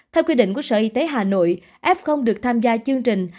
theo quy định của sở y tế hà nội f được tham gia chương trình